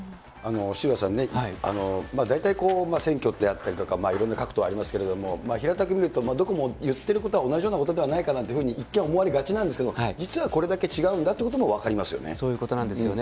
渋谷さんね、大体選挙であったりとか、各党とかありますけれども、平たく見ると、どこも言ってることは同じようなことではないかなんていうふうに一見思われがちなんですけれども、実はこれだけ違うんだってこともそういうことなんですよね。